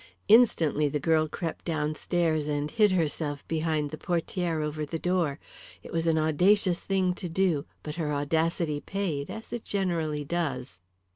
Instantly the girl crept downstairs and hid herself behind the portière over the door. It was an audacious thing to do, but her audacity paid, as it generally does.